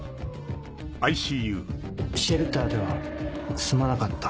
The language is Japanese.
シェルターではすまなかった。